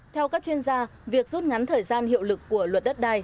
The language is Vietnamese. theo các chuyên gia việc rút ngắn thời gian hiệu lực của luật đất đai